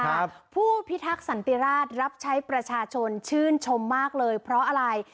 ครับผู้พิทักษันติราชรับใช้ประชาชนชื่นชมมากเลยเพราะอะไร